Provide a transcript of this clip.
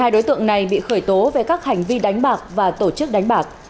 hai đối tượng này bị khởi tố về các hành vi đánh bạc và tổ chức đánh bạc